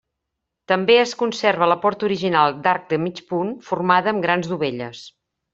També es conserva la porta original d'arc de mig punt, formada amb grans dovelles.